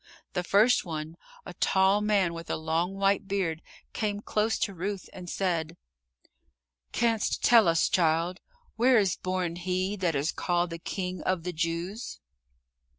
The first one, a tall man with a long white beard, came close to Ruth and said, "Canst tell us, child, where is born he that is called the King of the Jews?"